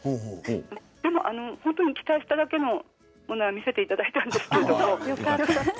でも期待しただけのものは見せていただいたんですけれども。